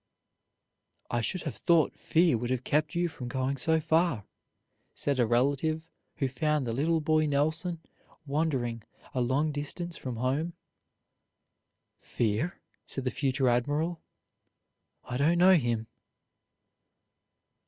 "I should have thought fear would have kept you from going so far," said a relative who found the little boy Nelson wandering a long distance from home. "Fear?" said the future admiral, "I don't know him."